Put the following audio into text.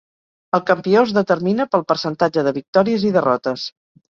El campió es determina pel percentatge de victòries i derrotes.